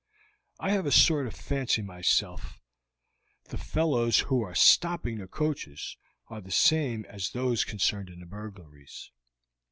I have a sort of fancy myself the fellows who are stopping the coaches are the same as those concerned in the burglaries.